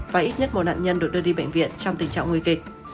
và ít nhất một nạn nhân được đưa đi bệnh viện trong tình trạng nguy kịch